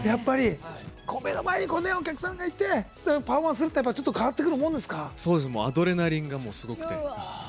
目の前のお客さんがいてパフォーマンスするのはアドレナリンがすごくて。